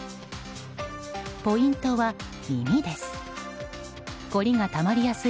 ポイントは、耳です。